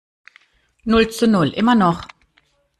Null zu null, immer noch.